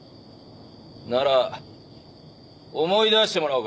なら思い出してもらおうか。